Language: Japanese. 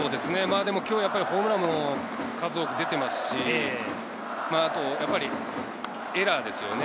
今日ホームランも数多く出ていますし、やっぱりエラーですよね。